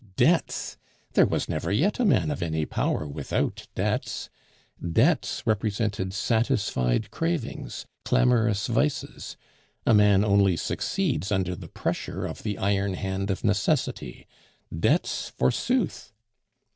Debts! There was never yet a man of any power without debts! Debts represented satisfied cravings, clamorous vices. A man only succeeds under the pressure of the iron hand of necessity. Debts forsooth!